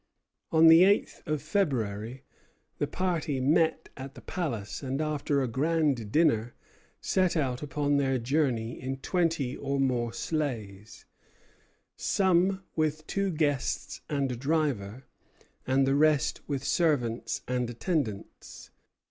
On the eighth of February the party met at the palace; and after a grand dinner set out upon their journey in twenty or more sleighs, some with two guests and a driver, and the rest with servants and attendants.